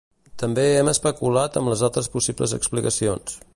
També hem especulat amb altres possibles explicacions.